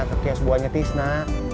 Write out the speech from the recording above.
setia sebuahnya tisna